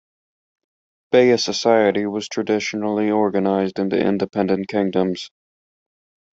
Beja society was traditionally organized into independent kingdoms.